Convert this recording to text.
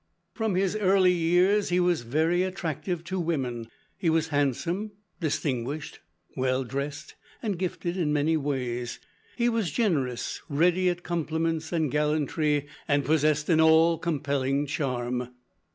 From his early years he was very attractive to women. He was handsome, distinguished, well dressed, and gifted in many ways. He was generous, ready at compliments and gallantry, and possessed an all compelling charm.